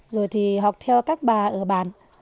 rồi thì học theo các bà ở bàn